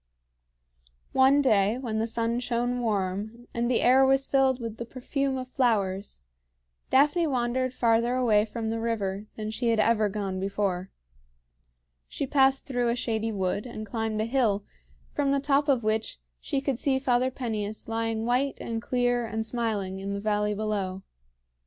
One day when the sun shone warm, and the air was filled with the perfume of flowers, Daphne wandered farther away from the river than she had ever gone before. She passed through a shady wood and climbed a hill, from the top of which she could see Father Peneus lying white and clear and smiling in the valley below.